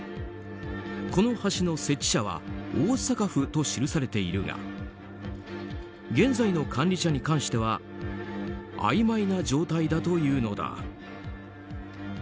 この橋の設置者は大阪府と記されているが現在の管理者に関してはあいまいな状態だというのだ。